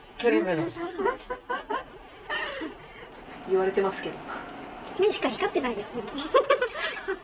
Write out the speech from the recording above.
言われてますけど？